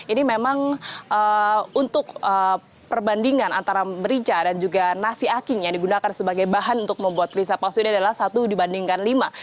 ini memang untuk perbandingan antara merica dan juga nasi aking yang digunakan sebagai bahan untuk membuat merica palsu ini adalah satu dibandingkan lima